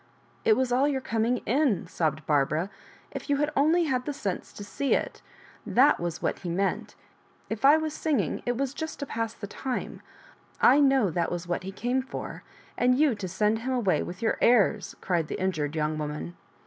'' It was all your coming in," sobbed Barbara^ 'Mf you had only had the sense to see it Thai was what he meant If I was singing, it was just to pass the time ; I know that was what he came for. And you to send him away with your airs!" cried the mjured young woman.